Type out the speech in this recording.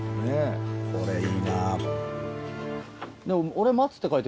これいいな。